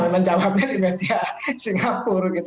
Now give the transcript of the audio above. menjawabnya di media singapura